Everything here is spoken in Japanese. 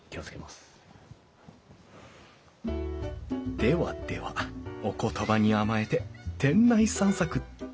ではではお言葉に甘えて店内散策っと。